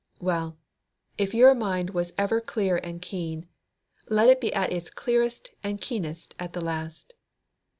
Well, if your mind was ever clear and keen, let it be at its clearest and its keenest at the last.